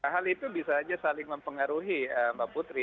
hal itu bisa saja saling mempengaruhi mbak putri